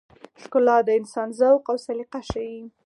ښکلا د انسان ذوق او سلیقه ښيي.